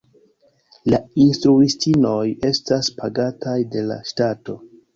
La instruistinoj estas pagataj de la ŝtato.